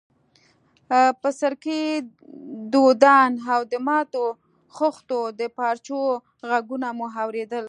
بڅرکي، دودان او د ماتو خښتو د پارچو ږغونه مو اورېدل.